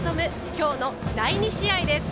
今日の第２試合です。